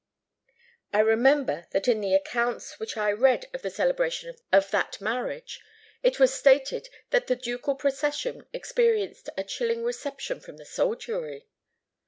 "I remember that in the accounts which I read of the celebration of that marriage, it was stated that the ducal procession experienced a chilling reception from the soldiery."